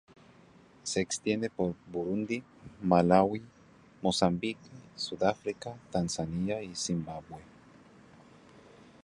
Se extiende por Burundi, Malaui, Mozambique, Sudáfrica, Tanzania, y Zimbabue.